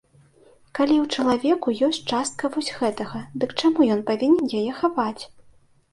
Калі ў чалавеку ёсць частка вось гэтага, дык чаму ён павінен яе хаваць?